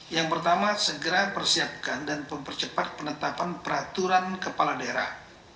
yang pertama segera persiapkan dan mempercepat penetapan peraturan kepala daerah